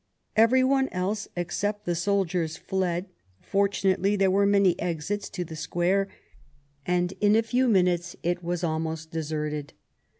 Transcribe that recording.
Every one else except the soldiers fled; fortunately there were many exits to the square, and in a few minutes it was almost deserted.